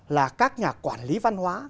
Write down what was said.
là các nhà quản lý văn hóa